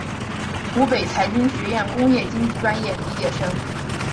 湖北财经学院工业经济专业毕业。